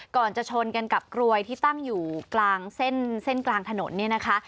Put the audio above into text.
ก่อนจะชนกันกับกรวยที่ตั้งอยู่กลางเส้นเส้นกลางถนนเนี่ยนะคะ